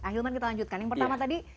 ahilman kita lanjutkan yang pertama tadi